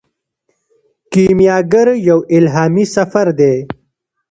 کیمیاګر یو الهامي سفر دی.